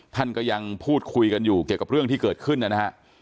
ท่านก็ยังพูดคุยกันอยู่เกี่ยวกับเรื่องที่เกิดขึ้นนะฮะ